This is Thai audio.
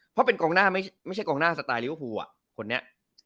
เพราะเป็นกองหน้าไม่ใช่กองหน้าสไตลลิเวอร์พูลคนนี้